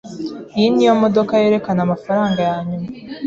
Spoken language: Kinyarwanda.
Iyi niyo modoka yerekana amafaranga yanyuma?